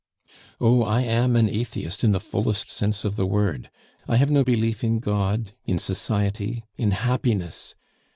"Oh! I am an atheist in the fullest sense of the word. I have no belief in God, in society, in happiness.